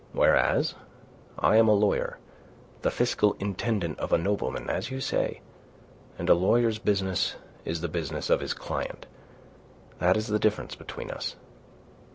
Whereas I am a lawyer the fiscal intendant of a nobleman, as you say and a lawyer's business is the business of his client. That is the difference between us.